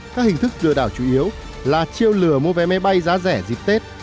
các hình thức lừa đảo chủ yếu là chiêu lừa mua vé máy bay giá rẻ dịp tết